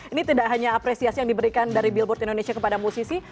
ini tidak hanya apresiasi yang diberikan dari billboard indonesia kepada musisi